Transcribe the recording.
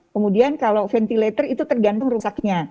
kemudian kalau ventilator itu tergantung rusaknya